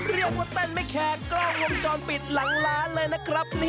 เรียกว่าเต้นไม่แคร์กล้องวงจรปิดหลังร้านเลยนะครับ